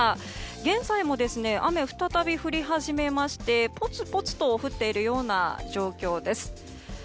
現在も雨は再び降り始めましてぽつぽつと降っているような状況です。